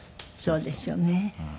そうですよね。